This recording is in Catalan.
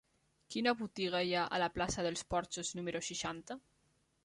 Quina botiga hi ha a la plaça dels Porxos número seixanta?